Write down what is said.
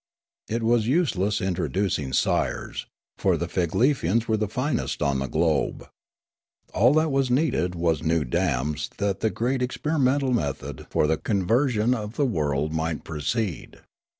It was useless intro ducing sires, for the Figlefians were the finest on the globe. All that was needed was new dams that the great experimental method for the conversion of the world might proceed.